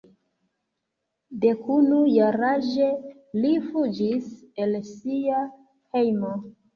Dekunu jaraĝe li fuĝis el sia hejmo.